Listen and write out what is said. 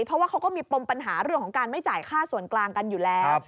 เพราะว่าเขาก็มีปมปัญหาเรื่องของการไม่จ่ายค่าส่วนกลางกันอยู่แล้ว